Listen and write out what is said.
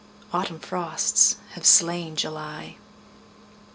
Autumn frosts have slain July.